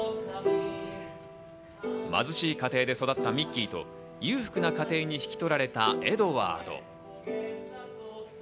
貧しい家庭で育ったミッキーと、裕福な家庭に引き取られたエドワード。